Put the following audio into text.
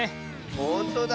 ほんとだ。